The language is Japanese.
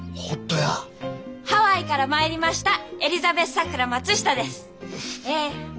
ハワイから参りましたエリザベス・さくら・松下です。